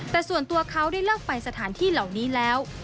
แต่ส่วนตัวเขาได้เลิกไปสถานที่เหล่านี้แล้ว